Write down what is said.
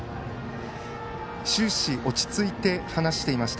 終始落ち着いて話していました。